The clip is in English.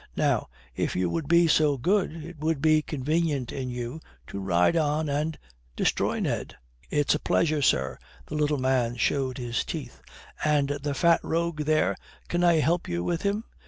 Now, if you would be so good, it would be convenient in you to ride on and destroy Ned." "It's a pleasure, sir," the little man showed his teeth. "And the fat rogue there, can I help you with him?